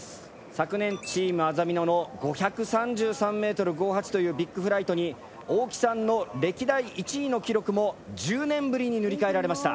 昨年チームあざみ野の５３３．５８ｍというビッグフライトに大木さんの歴代１位の記録も１０年ぶりに塗り替えられました。